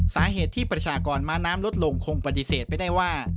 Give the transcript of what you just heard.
สาเหตุที่ประชากรม้าน้ำลดลงคงปฏิเสธไม่ได้ว่า